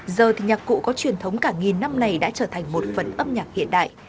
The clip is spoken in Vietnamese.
giờ thì nhạc cụ có truyền thống cả nghìn năm này đã trở thành một phần âm nhạc hiện đại